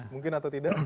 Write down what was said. mungkin atau tidak